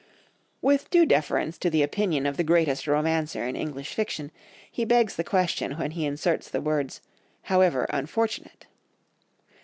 With due deference to the opinion of the greatest romancer in English fiction, he begs the question when he inserts the words "however unfortunate."